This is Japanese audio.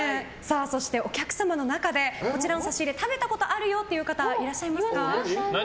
そして、お客様の中でこちらの差し入れ食べたことあるよという方いらっしゃいますか？